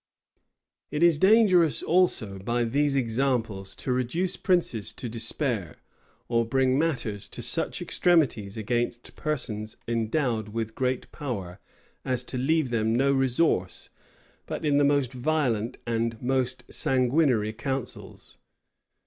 It is dangerous also, by these examples, to reduce princes to despair, or bring matters to such extremities against persons endowed with great power as to leave them no resource, but in the most violent and most sanguinary counsels.